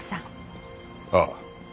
ああ。